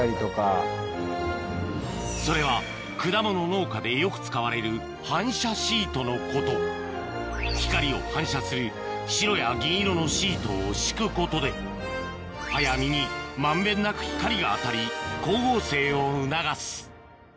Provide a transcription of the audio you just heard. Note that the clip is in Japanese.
それは果物農家でよく使われる光を反射する白や銀色のシートを敷くことで葉や実に満遍なく光が当たり光合成を促す